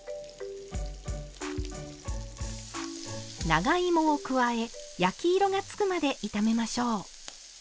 長芋を加え焼き色が付くまで炒めましょう。